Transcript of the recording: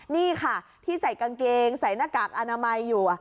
นี่ค่ะที่ใส่กางเกงใส่หน้ากากอนามัยอยู่